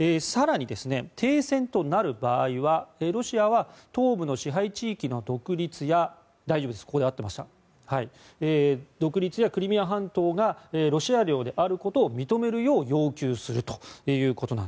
更に停戦となる場合はロシアは東部の支配地域の独立やクリミア半島がロシア領であることを認めるよう要求すると。